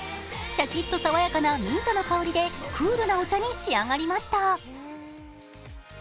シャキッと爽やかなミントの香りでクールなお茶に仕上がりました。